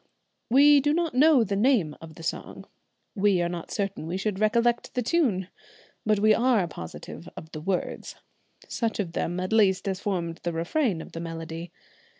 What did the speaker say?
We do not know the name of the song; we are not certain we should recollect the tune; but we are positive of the words, such of them at least as formed the refrain of the melody.